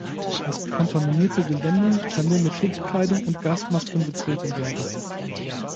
Das kontaminierte Gelände kann nur mit Schutzkleidung und Gasmasken betreten werden.